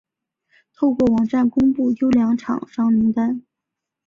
透过网站公布优良厂商名单